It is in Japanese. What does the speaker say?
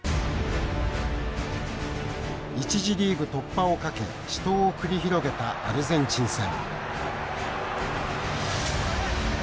１次リーグ突破を懸け死闘を繰り広げたアルゼンチン戦。